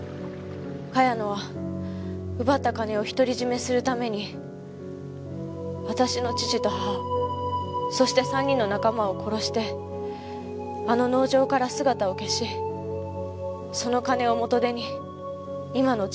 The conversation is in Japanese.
茅野は奪った金を独り占めするために私の父と母そして３人の仲間を殺してあの農場から姿を消しその金を元手に今の地位を築いたのよ。